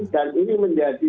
dan ini menjadi